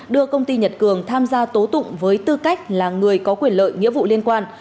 đưa công ty nhật cường tham gia tố tụng với tư cách là người có quyền lợi nghĩa vụ liên quan